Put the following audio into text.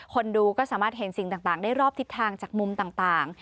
คนดูก็สามารถเห็นสิ่งต่างได้รอบทิศทางจากมุมต่าง